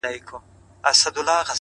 ریښتینی دوست رښتیا وایي،